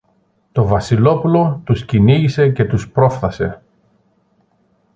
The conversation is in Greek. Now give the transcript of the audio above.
Το Βασιλόπουλο τους κυνήγησε και τους πρόφθασε.